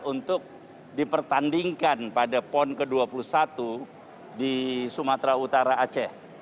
untuk dipertandingkan pada pon ke dua puluh satu di sumatera utara aceh